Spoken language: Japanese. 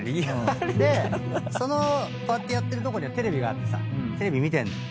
でそのこうやってやってるとこにはテレビがあってさテレビ見て。